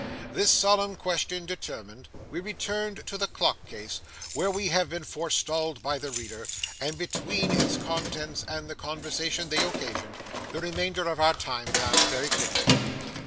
This solemn question determined, we returned to the clock case (where we have been forestalled by the reader), and between its contents, and the conversation they occasioned, the remainder of our time passed very quickly.